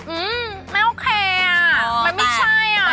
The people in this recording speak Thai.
อืมไม่โอเคอ่ะมันไม่ใช่อ่ะ